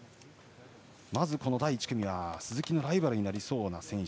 まず第１組は鈴木のライバルになりそうな選手